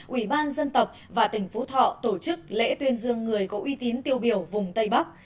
ủy ban dân tộc và tỉnh phú thọ tổ chức lễ tuyên dương người có uy tín tiêu biểu vùng tây bắc